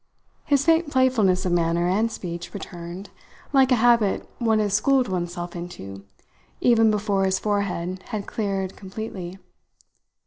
His faint playfulness of manner and speech returned, like a habit one has schooled oneself into, even before his forehead had cleared completely.